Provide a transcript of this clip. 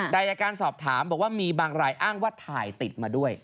ใดจากการสอบถามบอกว่ามีบางรายอ้างว่าถ่ายติดมาด้วย